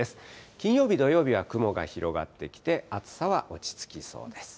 金曜日、土曜日は雲が広がってきて、暑さは落ち着きそうです。